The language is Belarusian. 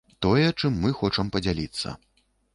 Тое, чым мы хочам падзяліцца.